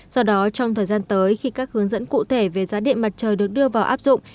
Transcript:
do đó trong thời gian tới khi các hướng dẫn cụ thể về giá điện mặt trời được đưa vào áp dụng